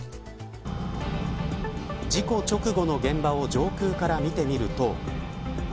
事故直後の現場を上空から見てみると。